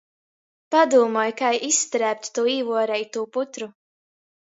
Padūmoj, kai izstrēbt tū īvuoreitū putru.